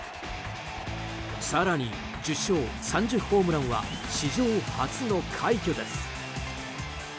更に、１０勝３０ホームランは史上初の快挙です。